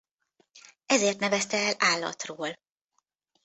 Ezért nevezte el állatról.